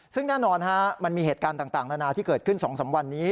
ซึ่งแน่นอนมันมีเหตุการณ์ต่างนานาที่เกิดขึ้น๒๓วันนี้